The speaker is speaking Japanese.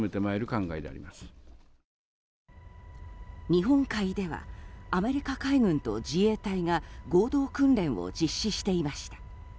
日本海ではアメリカ海軍と自衛隊が合同訓練を実施していました。